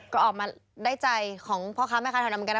ก็ออกมาได้ใจของพ่อค้าแม่ค้าแถวนั้นเหมือนกันนะ